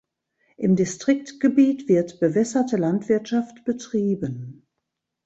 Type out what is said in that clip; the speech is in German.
Im Distriktgebiet wird bewässerte Landwirtschaft betrieben.